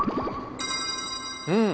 うん！